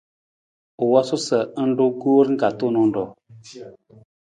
U wosu sa i ru koor ka tuunang ruu.